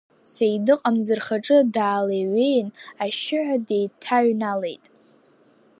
Сеидыҟ амӡырхаҿы даалеи-ҩеин, ашьшьыҳәа деҭааҩналеит.